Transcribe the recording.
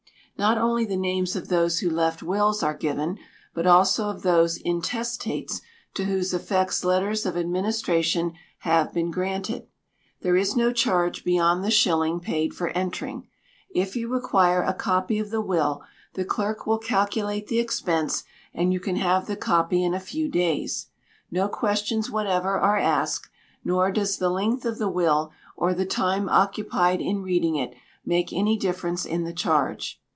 Not only the names of those who left wills are given, but also of those intestates to whose effects letters of administration have been granted. There is no charge beyond the shilling paid for entering. If you require a copy of the will, the clerk will calculate the expense, and you can have the copy in a few days. No questions whatever are asked nor does the length of the will, or the time occupied in reading it, make any difference in the charge.